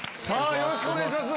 よろしくお願いします。